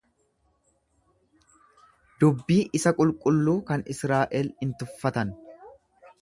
Dubbii isa qulqulluu kan Israa'el in tuffatan.